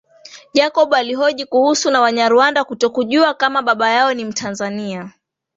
Jacob alihoji kuhusu na wanyarwanda kutokujua kama baba yao ni mtanzania